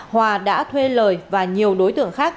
hòa đã thuê lời và nhiều đối tượng khác